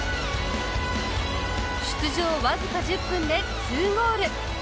出場わずか１０分で２ゴール